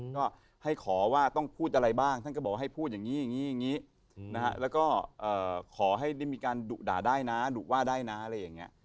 ก็ให้ขอว่าต้องพูดอะไรบ้างท่านก็บอกให้พูดอย่างนี้อย่างนี้แล้วก็ขอให้ได้มีการดุด่าได้นะดุว่าได้นะอะไรอย่างนี้